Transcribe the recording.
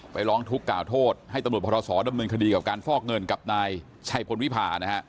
ร้องทุกข์กล่าวโทษให้ตำรวจพรศดำเนินคดีกับการฟอกเงินกับนายชัยพลวิพานะฮะ